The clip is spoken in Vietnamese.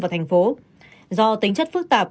vào thành phố do tính chất phức tạp